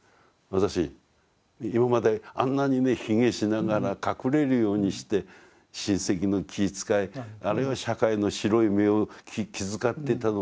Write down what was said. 今まであんなにね卑下しながら隠れるようにして親戚の気遣いあるいは社会の白い目を気遣ってたのはあれは何だったんだろうと。